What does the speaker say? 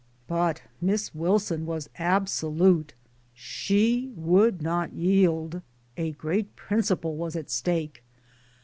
But Miss Wilson was absolute. She would not yield a great principle was at stake.